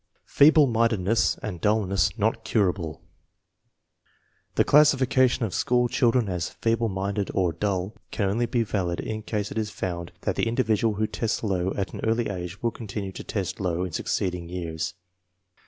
Feeble mindedness and dullness not curable. The classification of school children as " feeble minded " or " dull " can only be valid in case it is found that the individual who tests low at an early age will continue to test low in succeeding years.